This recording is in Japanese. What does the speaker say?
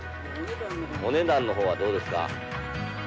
お値段の方はどうですか？